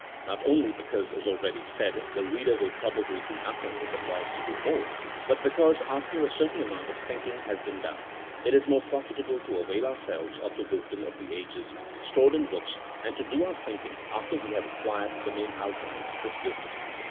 Not only be cause, as already said, the reader will probably do nothing if advised to do more; but because after a certain amount of thinking has been done, it is more profitable to avail ourselves of the wisdom of the ages, stored in books, and to do our thinking after we have acquired the main outlines of this wisdom.